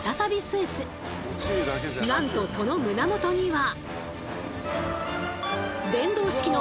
なんとその胸元には。